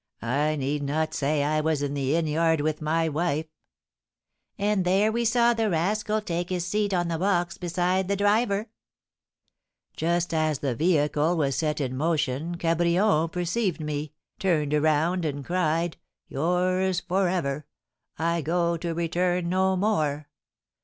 I need not say I was in the inn yard with my wife." "And there we saw the rascal take his seat on the box beside the driver." "Just as the vehicle was set in motion Cabrion perceived me, turned around, and cried,'Yours for ever! I go to return no more.'